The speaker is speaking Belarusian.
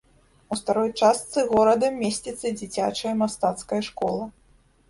У старой частцы горада месціцца дзіцячая мастацкая школа.